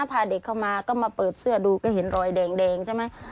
พาเด็กเข้ามาก็มาเปิดเสื้อดูก็เห็นรอยแดงใช่ไหม